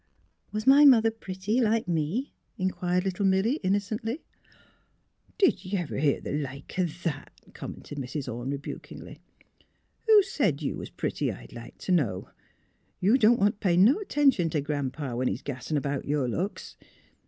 " Was my mother pretty, like me? " inquired little Milly, innocently. '' Did you ever hear th' like o' that! " com mented Mrs. Orne, rebukingly. " Who said you was pretty, I'd like t' know? You don't want t' pay no 'tention t' Gran 'pa, when he's gassin* about your looks.